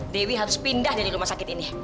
dewi harus pindah dari rumah sakit ini